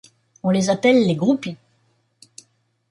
On les appelle les groupies.